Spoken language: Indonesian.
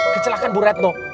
kecelakaan bu retno